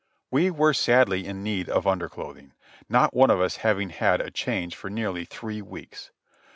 We were sadly in need of underclothing; not one of us having had a change for nearly three weeks.